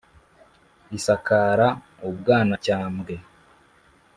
isakara u bwanacyambwe.